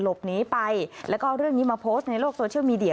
หลบหนีไปแล้วก็เอาเรื่องนี้มาโพสต์ในโลกโซเชียลมีเดีย